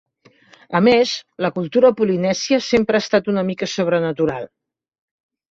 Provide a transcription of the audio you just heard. A més, la cultura polinèsia sempre ha estat una mica sobrenatural.